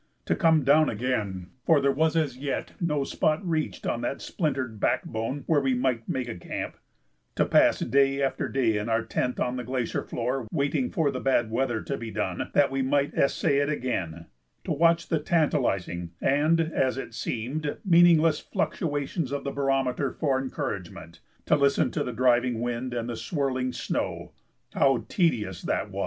To come down again for there was as yet no spot reached on that splintered backbone where we might make a camp to pass day after day in our tent on the glacier floor waiting for the bad weather to be done that we might essay it again; to watch the tantalizing and, as it seemed, meaningless fluctuations of the barometer for encouragement; to listen to the driving wind and the swirling snow, how tedious that was!